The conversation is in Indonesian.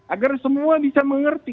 agar semua bisa mengerti